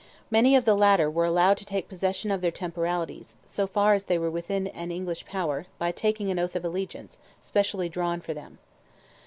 Many of the latter were allowed to take possession of their temporalities—so far as they were within English power—by taking an oath of allegiance, specially drawn for them.